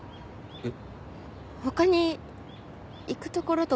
えっ！